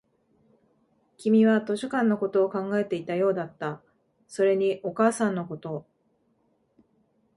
君は図書館のことを考えていたようだった、それにお母さんのこと